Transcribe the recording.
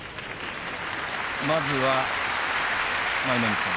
まずは舞の海さん